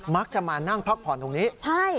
มักจะมานั่งพักผ่อนตรงนี้ใช่